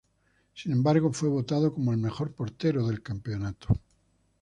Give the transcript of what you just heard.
Sin embargo, fue votado como el mejor portero del campeonato.